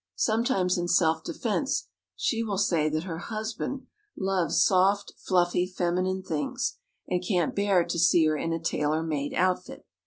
Sometimes in self defence, she will say that her husband loves soft, fluffy feminine things, and can't bear to see her in a tailor made outfit.